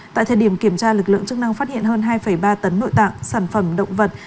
tại thời điểm kiểm tra lực lượng chức năng phát hiện hơn hai ba tấn nội tạng sản phẩm động vật